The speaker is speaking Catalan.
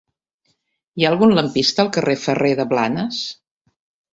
Hi ha algun lampista al carrer de Ferrer de Blanes?